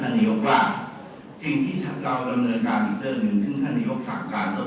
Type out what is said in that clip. ในที่ท่านยกดูสิ่งที่สำคัญก่อน